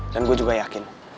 dan gue juga yakin